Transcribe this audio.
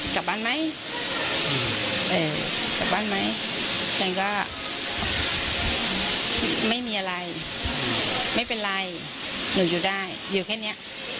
กลับบ้านไหมกลับบ้านไหมนางก็ไม่มีอะไรไม่เป็นไรหนูอยู่ได้อยู่แค่นี้